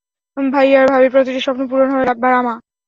ভাইয়া আর ভাবির প্রতিটা স্বপ্ন পূরণ হবে, রামা।